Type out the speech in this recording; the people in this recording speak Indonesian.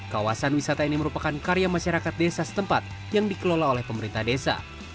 kawasan wisata ini merupakan karya masyarakat desa setempat yang dikelola oleh pemerintah desa